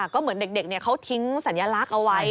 ก็เหมือนเด็กเขาทิ้งสัญลักษณ์เอาไว้